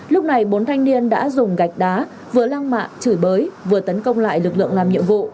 lúc này bốn thanh niên đã dùng gạch đá vừa lăng mạ chửi bới vừa tấn công lại lực lượng làm nhiệm vụ